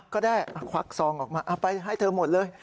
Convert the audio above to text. ก็ได้ควักซองออกมาเอาไปให้เธอหมดเลย